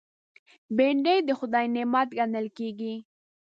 بېنډۍ د خدای نعمت ګڼل کېږي